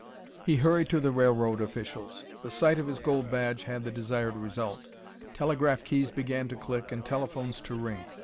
He hurried to the railroad officials. The sight of his gold badge had the desired result. Telegraph keys began to click and telephones to ring.